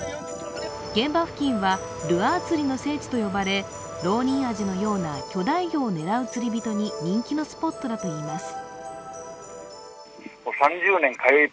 現場付近はルアー釣りの聖地と呼ばれロウニンアジのような巨大魚を狙う釣り人に人気のスポットだといいます。